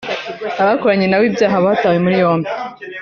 Abakoranye nawe ibyaha batawe muri yombi